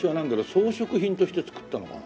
装飾品として作ったのかな？